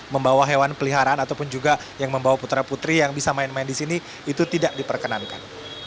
membawa hewan peliharaan ataupun juga yang membawa putra putri yang bisa main main di sini itu tidak diperkenankan